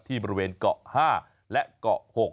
บริเวณเกาะ๕และเกาะ๖